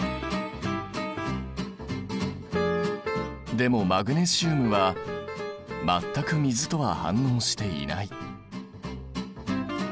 でもマグネシウムは全く水とは反応していない。